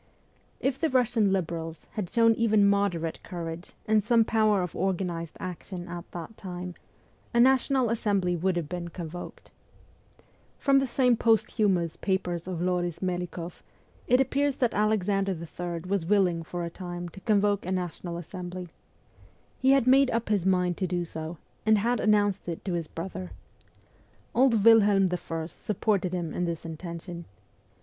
If the Russian Liberals had shown even moderate courage and some power of organized action at that time, a National Assembly would have been con voked. From the same posthumous papers of Loris Melikoff, it appears that Alexander III. was willing for a time to convoke a National Assembly. He had made up his mind to do so, and had announced it to his brother. Old Wilhelm I. supported him in this intention.